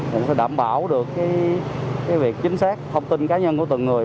để đảm bảo được việc chính xác thông tin cá nhân của từng người